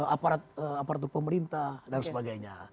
aparat aparatur pemerintah dan sebagainya